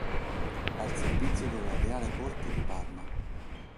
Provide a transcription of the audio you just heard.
Al servizio della R. corte di Parma.